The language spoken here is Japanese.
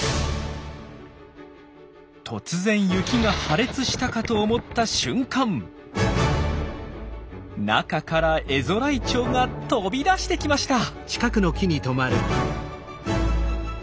突然雪が破裂したかと思った瞬間中からエゾライチョウが飛び出してきました。